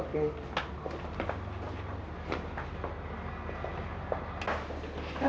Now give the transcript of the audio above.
yang ini bisa tugas untuk memutar